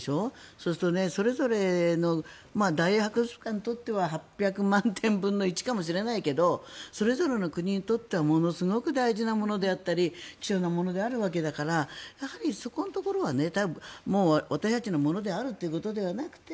そうすると、それぞれの大英博物館にとっては８００万点分の１かもしれないけどそれぞれの国にとってはものすごく大事なものであったり希少なものであるわけだからやはりそこのところはもう私たちのものであるということではなくて